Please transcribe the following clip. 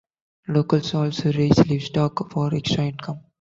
Locals also raise livestock for extra income.